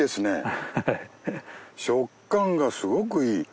食感がすごくいい。